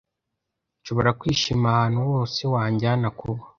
Nshobora kwishima ahantu hose wanjyana kuba